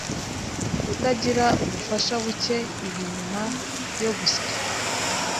utagira ubufasha buke ibi nyuma yo gusya